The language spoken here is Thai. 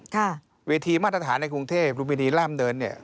ค่ะเวทีมาตรฐานในกรุงเทพรุมพินีร่ามเนินเนี่ย